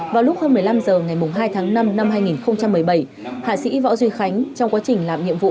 vào lúc hơn một mươi năm h ngày hai tháng năm năm hai nghìn một mươi bảy hạ sĩ võ duy khánh trong quá trình làm nhiệm vụ